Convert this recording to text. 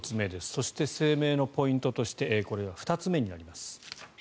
そして声明のポイントとしてこれが２つ目になります。